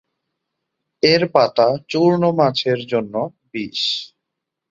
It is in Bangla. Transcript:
এর পাতা চূর্ণ মাছের জন্য বিষ।